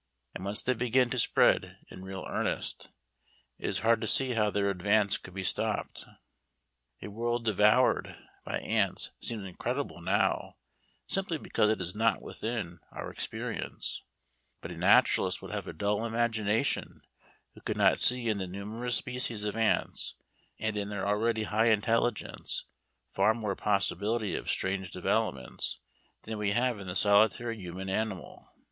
And once they begin to spread in real earnest, it is hard to see how their advance could be stopped. A world devoured by ants seems incredible now, simply because it is not within our experience; but a naturalist would have a dull imagination who could not see in the numerous species of ants, and in their already high intelligence, far more possibility of strange developments than we have in the solitary human animal.